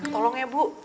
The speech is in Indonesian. tolong ya bu